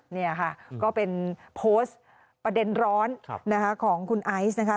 นี่ค่ะก็เป็นโพสต์ประเด็นร้อนนะคะของคุณไอซ์นะคะ